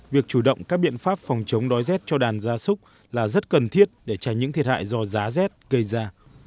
việc chủ động các biện pháp phòng chống đói rét cho đàn gia súc là rất cần thiết để tránh những thiệt hại do giá rét gây ra